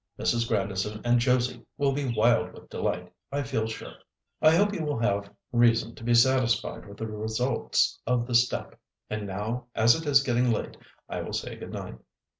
Mrs. Grandison and Josie will be wild with delight, I feel sure." "I hope you will all have reason to be satisfied with the results of the step; and now, as it is getting late, I will say good night."